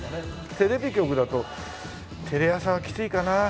テレビ局だとテレ朝はきついかな。